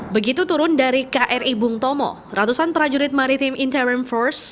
begitu turun dari kri bung tomo ratusan prajurit maritim interim force